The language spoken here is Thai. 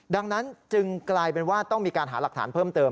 ดังนั้นจึงกลายเป็นว่าต้องมีการหาหลักฐานเพิ่มเติม